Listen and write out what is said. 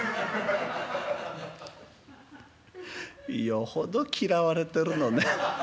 よほど嫌われてるのね。